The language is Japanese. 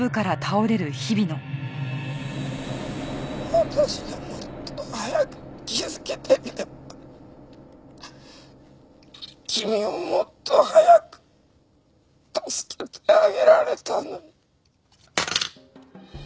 私がもっと早く気づけていれば君をもっと早く助けてあげられたのに。